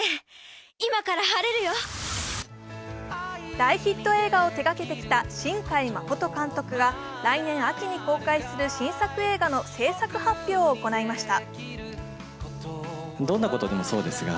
大ヒット映画を手がけてきた新海誠監督が来年秋に公開する新作映画の制作発表を行いました。